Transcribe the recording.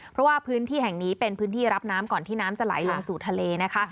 เพราะว่าพื้นที่แห่งนี้เป็นพื้นที่รับน้ำก่อนที่น้ำจะไหลลงสู่ทะเลนะคะ